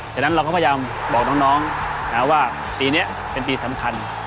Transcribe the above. ฉะนั้นเราก็พยายามบอกน้องนะว่าปีนี้เป็นปีสำคัญ